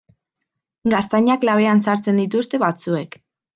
Gaztainak labean sartzen dituzte batzuek.